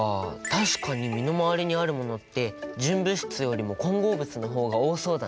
確かに身の回りにあるものって純物質よりも混合物の方が多そうだね。